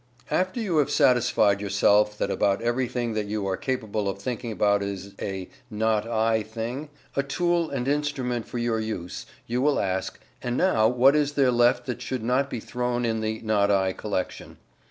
After you have satisfied yourself that about everything that you are capable of thinking about is a "not I" thing a tool and instrument for your use you will ask, "And now, what is there left that should not be thrown in the "not I" collection."